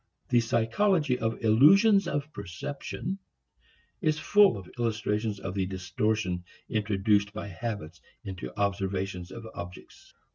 The psychology of illusions of perception is full of illustrations of the distortion introduced by habit into observation of objects.